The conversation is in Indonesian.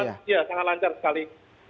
iya sangat lancar sekali